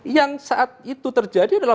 yang saat itu terjadi adalah